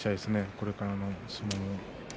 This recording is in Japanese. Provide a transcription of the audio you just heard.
これからの相撲。